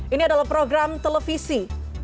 ini adalah program televisi